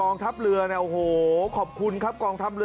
ที่มาช่วยลอกท่อที่ถนนหัวตะเข้เขตรักกะบังกรงเทพมหานคร